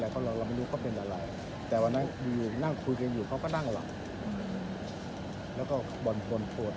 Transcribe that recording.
แล้วก็บ่นปวดหลังเราก็นึกว่าอายุเยอะมันก็เป็นอย่างเงี้ยเราเองก็เป็น